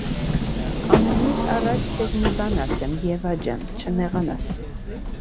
- Ամենիր առաջ քեզ մի բան ասեմ, Եվա ջան, չնեղանաս: